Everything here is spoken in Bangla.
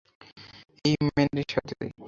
এই ম্যানির সাথে।